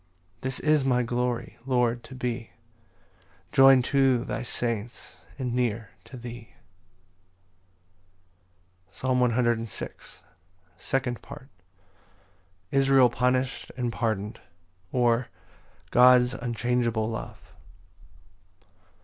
This is my glory, Lord, to be Join'd to thy saints, and near to thee. Psalm 106:2. 7 8 12 14 43 48. 2d Part. Israel punished and pardoned; or, God's unchangeable love.